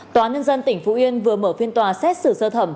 tòa nhân dân tỉnh phú yên vừa mở phiên tòa xét xử sơ thẩm